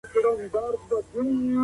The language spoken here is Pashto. زه پرون د باغ بوټو ته اوبه ورکوم وم.